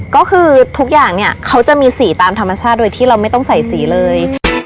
ก็คือทุกอย่างเนี่ยเขาจะมีสีตามธรรมชาติโดยที่เราไม่ต้องใส่สีเลย